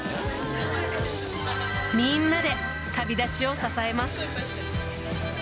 みんなで旅立ちを支えます。